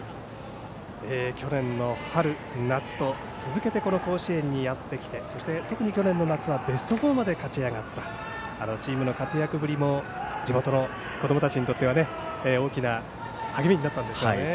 去年の春、夏と続けて甲子園にやってきてそして、特に去年の夏はベスト４まで勝ち上がったチームの活躍ぶりも地元の子どもたちにとっては大きな励みになったんでしょうね。